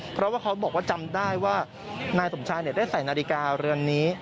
เพราะว่าเขาบอกว่าจำได้ว่านายสมชายได้ใส่นาฬิกาเรือนนี้